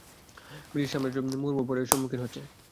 British সাম্রাজ্য মুহুর্মুহু পরাজয়ের সম্মুখীন হচ্ছে।